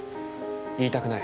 言いたくない。